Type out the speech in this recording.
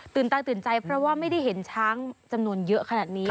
ตาตื่นใจเพราะว่าไม่ได้เห็นช้างจำนวนเยอะขนาดนี้